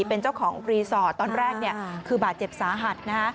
เป็นเจ้าของรีสอร์ทตอนแรกคือบาดเจ็บสาหัสนะฮะ